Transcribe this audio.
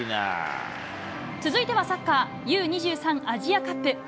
続いてはサッカー、Ｕ２３アジアカップ。